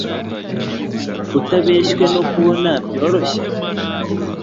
utabeshywe no kubona byoroshye